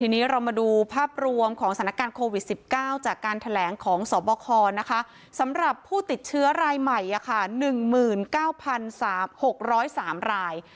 ทีนี้เรามาดูภาพรวมของสถานการณ์โควิด๑๙จากการแถลงของสบคสำหรับผู้ติดเชื้อรายใหม่๑๙๓๖๐๓ราย